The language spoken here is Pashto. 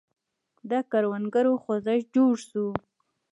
د کروندګرو خوځښت جوړ شو.